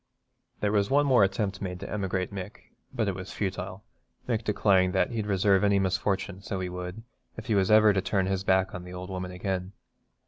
There was one more attempt made to emigrate Mick, but it was futile, Mick declaring that 'he'd deserve any misfortune, so he would, if he was ever to turn his back on the old woman again.'